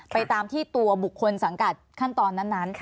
ตามที่ตัวบุคคลสังกัดขั้นตอนนั้น